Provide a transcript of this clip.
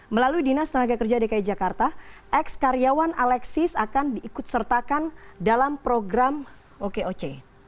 melalui dinas tenaga kerja dki jakarta ex karyawan alexis akan diikut sertakan dalam program okoc